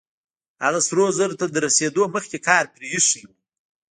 هغه سرو زرو ته تر رسېدو مخکې کار پرېښی و.